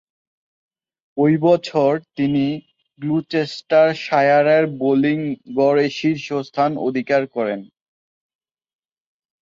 ঐ বছর তিনি গ্লুচেস্টারশায়ারের বোলিং গড়ে শীর্ষ স্থান অধিকার করেন।